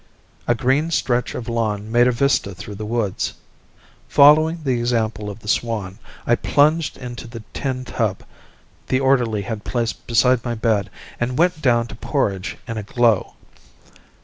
A green stretch of lawn made a vista through the woods. Following the example of the swan, I plunged into the tin tub the orderly had placed beside my bed and went down to porridge in a glow.